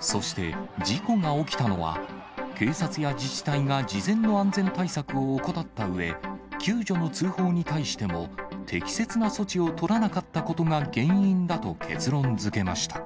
そして、事故が起きたのは、警察や自治体が事前の安全対策を怠ったうえ、救助の通報に対しても適切な措置を取らなかったことが原因だと結論づけました。